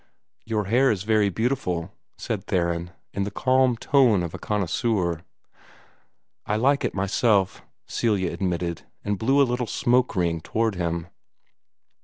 "Your hair is very beautiful," said Theron, in the calm tone of a connoisseur. "I like it myself," Celia admitted, and blew a little smoke ring toward him.